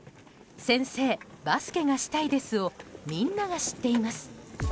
「先生、バスケがしたいです」をみんなが知っています。